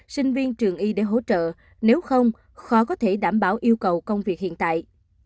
sinh viên trường y để hỗ trợ nếu không khó có thể đảm bảo yêu cầu công việc hiện tại